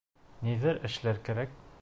Ниҙер эшләр кәрәк.